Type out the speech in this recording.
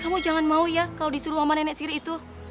kamu jangan mau ya kalau disuruh sama nenek siri itu